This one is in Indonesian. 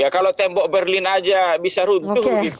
kalau tembok berlin saja bisa runtuh begitu maka saya akan ikut